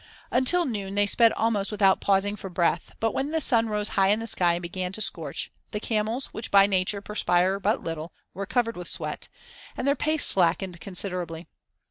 Until noon they sped almost without pausing for breath, but when the sun rose high in the sky and began to scorch, the camels, which by nature perspire but little, were covered with sweat, and their pace slackened considerably.